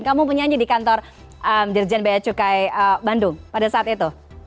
kamu penyanyi di kantor dirjen beacukai bandung pada saat itu